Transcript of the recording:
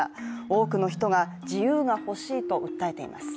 多くの人が自由が欲しいと訴えています。